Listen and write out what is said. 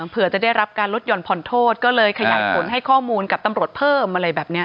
เผื่อจะได้รับการลดหย่อนผ่อนโทษก็เลยขยายผลให้ข้อมูลกับตำรวจเพิ่มอะไรแบบนี้